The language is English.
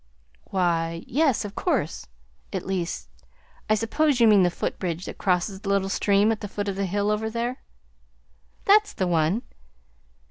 "Why yes, of course; at least, I suppose you mean the footbridge that crosses the little stream at the foot of the hill over there." "That's the one."